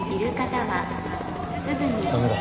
駄目だ。